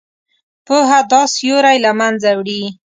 پوهه دا سیوری له منځه وړي.